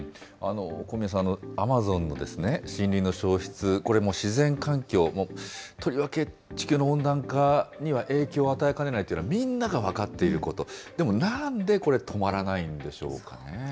小宮さん、アマゾンの森林の消失、これ、自然環境、とりわけ地球の温暖化には影響を与えかねないというのはみんなが分かっていること、でもなんでこれ、止まらないんでしょうかね。